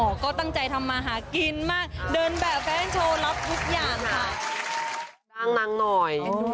กลางนางหน่อย